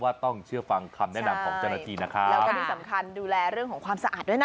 อาจจะร้อนมาก